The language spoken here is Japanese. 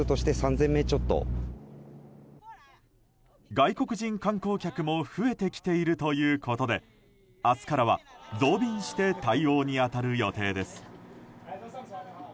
外国人観光客も増えてきているということで明日からは増便して対応に当たる予定です。